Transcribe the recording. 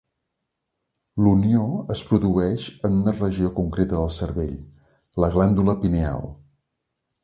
La unió es produeix en una regió concreta del cervell: la glàndula pineal.